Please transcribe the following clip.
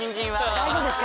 「大丈夫ですか？」